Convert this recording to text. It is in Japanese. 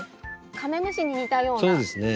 カメムシに似たような。